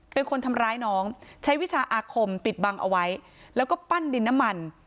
เป็นคนทำร้ายน้องใช้วิชาอาคมปิดบังเอาไว้แล้วก็ปั้นดินน้ำมัน